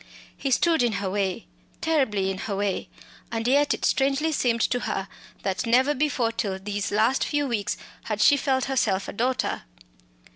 He stood in her way terribly in her way and yet it strangely seemed to her, that never before till these last few weeks had she felt herself a daughter.